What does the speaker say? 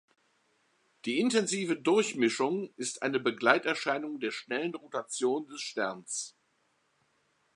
Die intensive Durchmischung ist eine Begleiterscheinung der schnellen Rotation des Sterns.